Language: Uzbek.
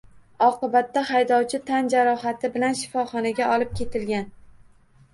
Oqibatda haydovchi tan jarohati bilan shifoxonaga olib ketilgan